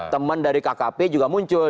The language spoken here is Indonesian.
teman dari kkp juga muncul